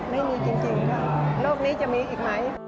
ไม่มีจริงค่ะโลกนี้จะมีอีกไหม